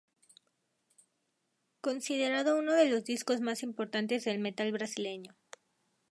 Considerado uno de los discos más importantes del metal brasileño.